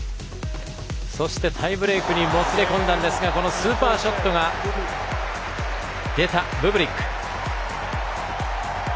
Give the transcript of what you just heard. そして、タイブレークにもつれ込んだんですがスーパーショットが出たブブリック。